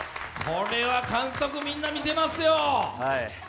これは監督みんな見てますよ。